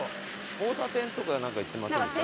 交差点とかなんか言ってませんでした？